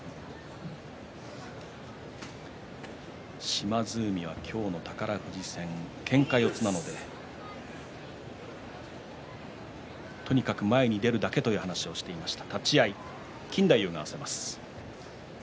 島津海は今日の宝富士戦けんか四つなのでとにかく前に出るだけという話をしていました。